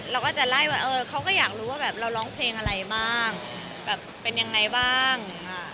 เราก็จะไล่ว่าเออเขาก็อยากรู้ว่าแบบเราร้องเพลงอะไรบ้างแบบเป็นยังไงบ้าง